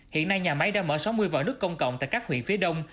hiện nay nhà máy đã mở sáu mươi vòi nước công cộng tại các huyện phía đông